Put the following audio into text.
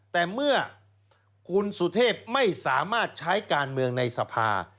แต่เมื่อคุณสุเทพไม่สามารถใช้การเมืองในสภา